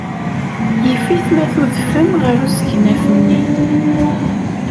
Yif-it ma tudfem ɣer usegnaf-nni.